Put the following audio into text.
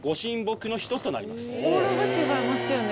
オーラが違いますよね